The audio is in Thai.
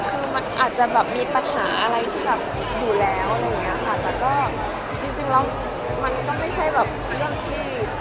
ค่ะคือมันอาจจะมีปัญหาอะไรที่อยู่แล้วแต่จริงแล้วมันก็ไม่ใช่แบบเรื่องที่